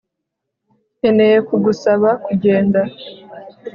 Nkeneye kugusaba kugenda